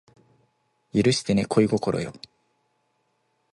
許してね恋心よ